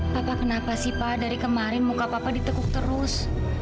bapak kenapa sih pak dari kemarin muka papa ditekuk terus